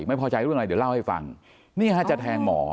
ไม่พอใจเรื่องอะไรเดี๋ยวเล่าให้ฟังนี่ฮะจะแทงหมอ